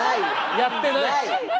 やってない！